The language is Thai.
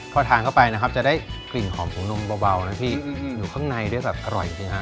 พอทานเข้าไปนะครับจะได้กลิ่นหอมของนมเบานะพี่อยู่ข้างในได้แบบอร่อยจริงฮะ